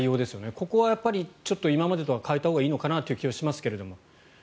ここはやっぱり今までとは変えたほうがいいのかなという気がしますが。